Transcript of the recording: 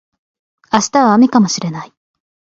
明日は雨かもしれない